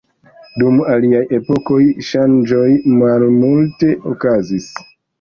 Dum aliaj epokoj, ŝanĝoj malmulte okazis.